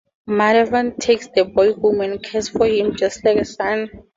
Madhavan takes the boy home and cares for him, just like a son.